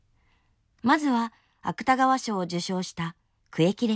まずは芥川賞を受賞した「苦役列車」